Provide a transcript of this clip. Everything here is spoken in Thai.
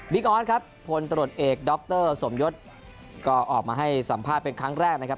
ออสครับพลตรวจเอกดรสมยศก็ออกมาให้สัมภาษณ์เป็นครั้งแรกนะครับ